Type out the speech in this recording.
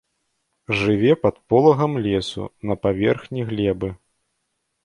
Жыве пад полагам лесу на паверхні глебы.